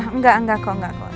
enggak kok enggak kok